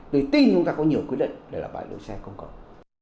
tôi tin chúng ta có nhiều quyết định để là bãi đỗ xe công cộng